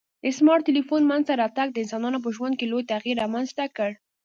د سمارټ ټلیفون منځته راتګ د انسانانو په ژوند کي لوی تغیر رامنځته کړ